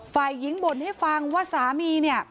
ฝ่ายหญิงบ่นให้ฟังว่าสามีเนี่ย